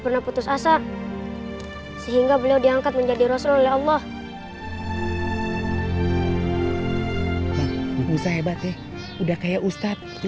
pernah putus asa sehingga beliau diangkat menjadi rasul oleh allah usah hebat deh udah kayak ustadz